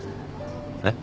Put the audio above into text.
えっ？